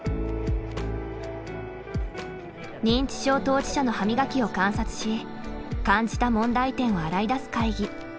認知症当事者の歯磨きを観察し感じた問題点を洗い出す会議。